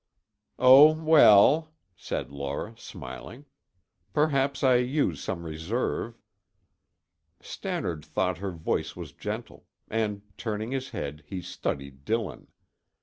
"Oh, well," said Laura, smiling, "perhaps I use some reserve." Stannard thought her voice was gentle, and turning his head, he studied Dillon.